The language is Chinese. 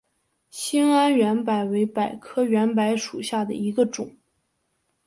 兴安圆柏为柏科圆柏属下的一个种。